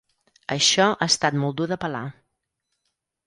Això ha estat molt dur de pelar.